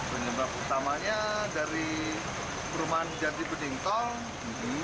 penyebab utamanya dari perumahan jati bening tol